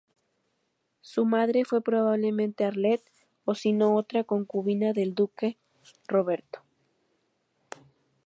Su madre fue probablemente Arlette, o si no otra concubina del duque Roberto.